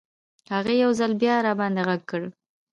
هغې یو ځل بیا راباندې غږ کړل.